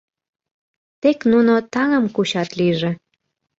— Тек нуно таҥым кучат лийже.